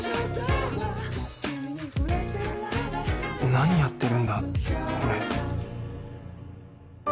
何やってるんだ俺